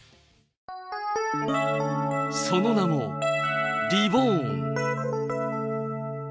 その名も、リボーン。